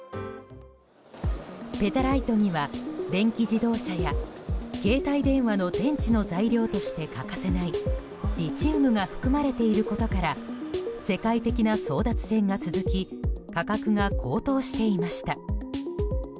ペタライトには電気自動車や携帯電話の電池の材料として欠かせないリチウムが含まれていることから世界的な争奪戦が続き価格が高騰していました。